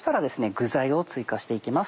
具材を追加して行きます。